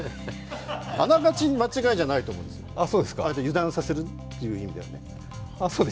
あながち間違いじゃないと思いますよ、油断させるという意味ではね。